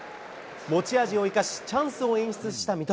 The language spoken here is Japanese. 持ち味を生かし、チャンスを演出した三笘。